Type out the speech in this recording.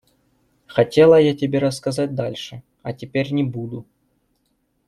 Хотела я тебе рассказать дальше, а теперь не буду.